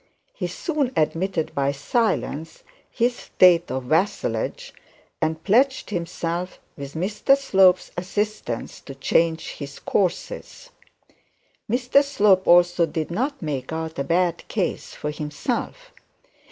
He soon admitted by silence his state of vassalage, and pledged himself with Mr Slope's assistance, to change his courses. Mr Slope did not make out a bad case for himself.